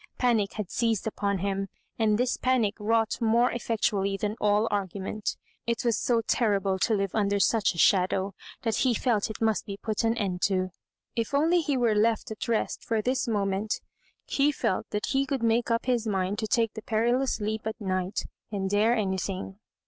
Panic had seized upon him, and this panic wrought more effectually than all argument It was so terrible to live under such a shadow, that be felt it must oe put an end ta If only he were left at rest for this moment, he felt that he could make up his mind to take the perilous leap at night, and dare anything.